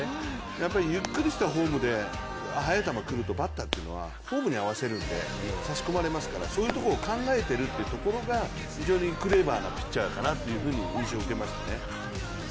やっぱりゆっくりしたフォームで速い球来るとバッターというのはフォームに合わせるので差し込まれますからそういうところを考えてるっていうところが非常にクレバーなピッチャーかなという印象を受けます。